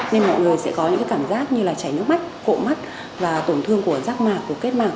nên mọi người sẽ có những cảm giác như chảy nước mắt cộ mắt và tổn thương của rác mạc kết mạc